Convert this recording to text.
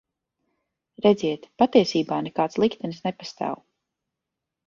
Redziet, patiesībā nekāds liktenis nepastāv.